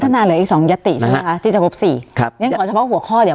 การแสดงความคิดเห็น